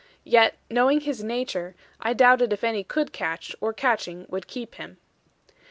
Yet, knowing his nature, I doubted if any could catch, or catching would keep him.